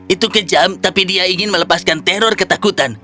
itu kejam tapi dia ingin melepaskan teror ketakutan